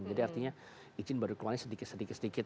jadi artinya izin baru keluar sedikit sedikit